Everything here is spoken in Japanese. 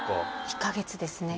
２か月ですね。